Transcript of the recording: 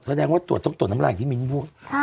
แสดงว่าตรวจต้องตรวจทำรายที่มิ้นบุ๊กใช่